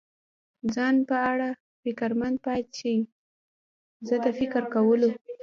ځان په اړه فکرمند پاتې شي، زه د فکر کولو.